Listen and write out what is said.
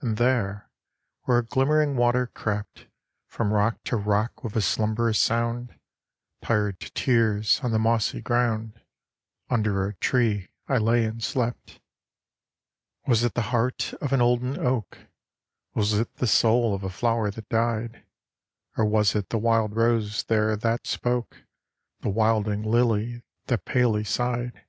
And there, where a glimmering water crept From rock to rock with a slumberous sound, Tired to tears, on the mossy ground, Under a tree I lay and slept. Was it the heart of an olden oak? Was it the soul of a flower that died? Or was it the wild rose there that spoke, The wilding lily that palely sighed?